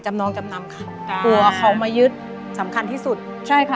จำนองจำนำเขาจ้ะหัวเขามายึดสำคัญที่สุดใช่ค่ะ